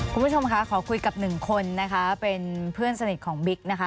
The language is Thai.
คุณผู้ชมค่ะขอคุยกับหนึ่งคนนะคะเป็นเพื่อนสนิทของบิ๊กนะคะ